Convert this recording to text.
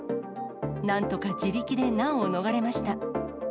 なんとか自力で難を逃れました。